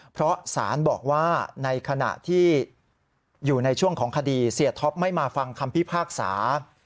เพราะสารบอกว่าในขณะที่อยู่ในช่วงของคดีเสียท็อปไม่มาฟังคำพิพากษา